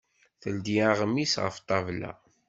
Teldi aɣmis ɣef ṭṭabla.